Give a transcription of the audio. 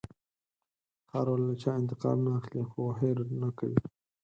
خاوره له چا انتقام نه اخلي، خو هېر نه کوي.